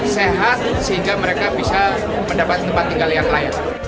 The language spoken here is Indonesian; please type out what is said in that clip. sehat sehingga mereka bisa mendapat tempat tinggal yang layak